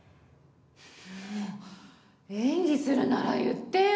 もう演技するなら言ってよ。